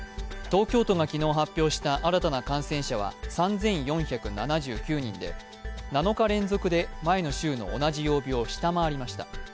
東京都が昨日発表した新たな感染者は３４７９人で、７日連続で前の週の同じ曜日を下回りました。